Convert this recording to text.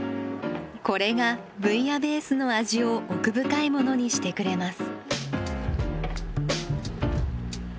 これがブイヤベースの味を奥深いものにしてくれます。